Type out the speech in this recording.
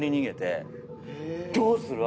どうする？